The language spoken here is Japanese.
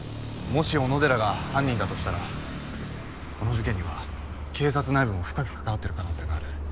もし小野寺が犯人だとしたらこの事件には警察内部も深く関わってる可能性がある。